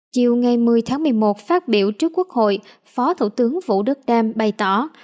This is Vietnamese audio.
chiều ngày một mươi tháng một mươi một phát biểu trước quốc hội phó thủ tướng vũ đức đam bày tỏ